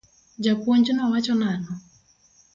Japuonj no wacho nang'o?